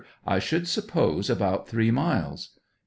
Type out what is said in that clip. I should suppose about th"ree miles.